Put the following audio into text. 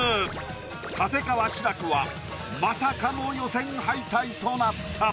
立川志らくはまさかの予選敗退となった。